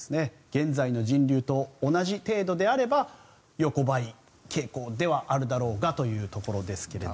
現在の人流と同じ程度であれば横ばい傾向ではあるだろうがというところですが。